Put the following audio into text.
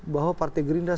bahwa partai gerindra